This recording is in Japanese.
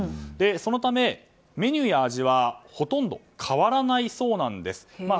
そのため、メニューや味はほとんど変わらないそうなんです。